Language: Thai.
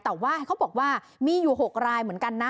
แต่ว่าเขาบอกว่ามีอยู่๖รายเหมือนกันนะ